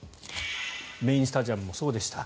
メインスタジアムもそうでした。